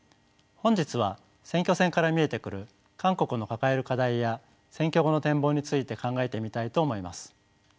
本日は選挙戦から見えてくる韓国の抱える課題や選挙後の展望について考えてみたいと思います。